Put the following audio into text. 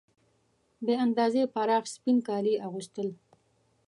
بې اندازې پراخ سپین کالي یې اغوستل.